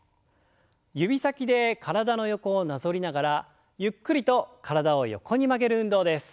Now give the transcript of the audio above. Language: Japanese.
指先で体の横をなぞりながらゆっくりと体を横に曲げる運動です。